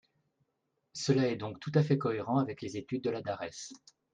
Cela est donc tout à fait cohérent avec les études de la DARES.